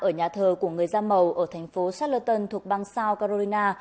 ở nhà thờ của người da màu ở thành phố charleton thuộc bang south carolina